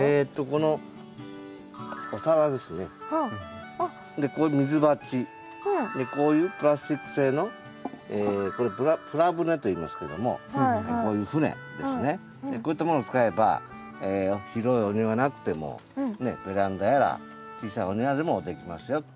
こういう水鉢こういうプラスチック製のこれプラ舟といいますけどもこういう舟ですねこういったものを使えば広いお庭なくてもベランダやら小さいお庭でもできますよっていうことですね。